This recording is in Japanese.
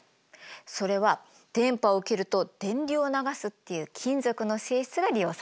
それは電波を受けると電流を流すっていう金属の性質が利用されてるの。